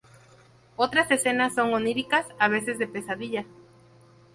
Otras escenas son "oníricas, a veces de pesadilla".